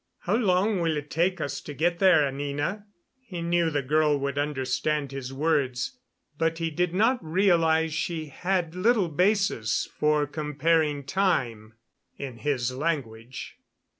"How long will it take us to get there, Anina?" He knew the girl would understand his words, but he did not realize she had little basis for comparing time in his language.